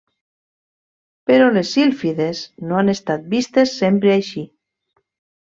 Però les sílfides no han estat vistes sempre així.